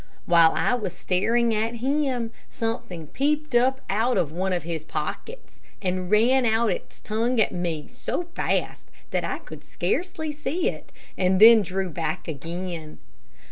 While I was staring at him, something peeped up out of one of his pockets and ran out its tongue at me so fast that I could scarcely see it, and then drew back again.